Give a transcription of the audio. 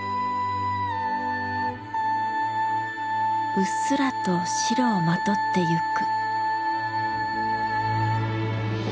うっすらと白をまとっていく。